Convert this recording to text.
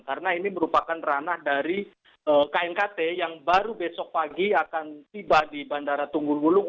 karena ini merupakan ranah dari knkt yang baru besok pagi akan tiba di bandara tunggul mulung